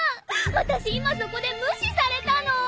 私今そこで無視されたの。